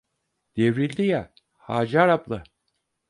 Devrildi ya, Hacer abla!